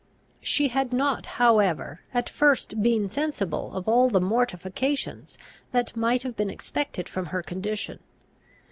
She had not, however, at first been sensible of all the mortifications that might have been expected from her condition.